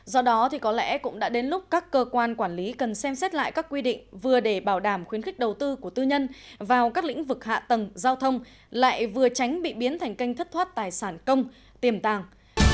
do đó thì có lẽ cũng đã đến lúc các cơ quan quản lý cần xem xét lại các quy định vừa để bảo đảm khuyến khích đầu tư của tư nhân vào các lĩnh vực hạ tầng giao thông lại vừa tránh bị biến thành kênh thất thoát tài sản công tiềm tàng